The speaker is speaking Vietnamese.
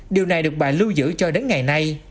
điều này được bà lưu giữ cho đến ngày nay